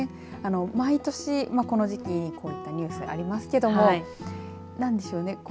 毎年、この時期こういったニュースがありますけどなんでしょうね